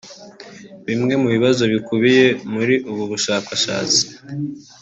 Bimwe mu bibazo bikubiye muri ubu bushakashatsi